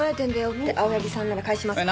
って青柳さんなら返しますね。